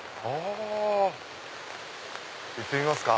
行ってみますか。